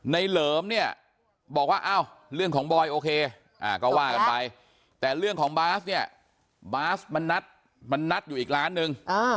เหลิมเนี่ยบอกว่าอ้าวเรื่องของบอยโอเคก็ว่ากันไปแต่เรื่องของบาสเนี่ยบาสมันนัดมันนัดอยู่อีกล้านหนึ่ง